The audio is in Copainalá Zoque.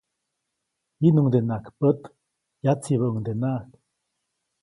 Jiʼnuŋdenaʼajk pät, yatsibäʼuŋdenaʼajk.